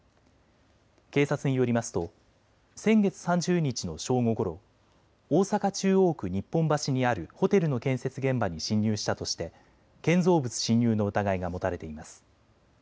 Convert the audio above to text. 警察によりますと先月３０日の正午ごろ、大阪中央区日本橋にあるホテルの建設現場に侵入したとして建造物侵入の疑いが持たれています。